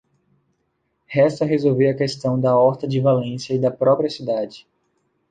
Resta resolver a questão da Horta de Valência e da própria cidade.